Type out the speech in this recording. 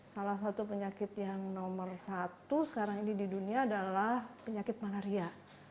salah satu penyakit yang nomor satu sekarang ini di dunia adalah penyakit malaria